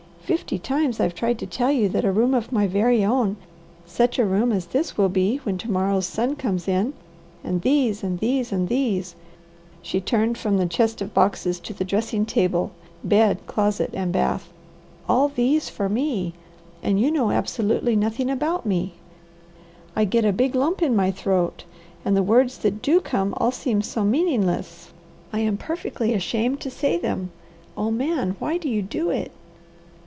Fifty times I've tried to tell you that a room of my very own, such a room as this will be when to morrow's sun comes in, and these, and these, and these," she turned from the chest of boxes to the dressing table, bed, closet, and bath, "all these for me, and you know absolutely nothing about me I get a big lump in my throat, and the words that do come all seem so meaningless, I am perfectly ashamed to say them. Oh Man, why do you do it?"